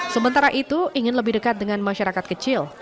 sementara itu ingin lebih dekat dengan masyarakat kecil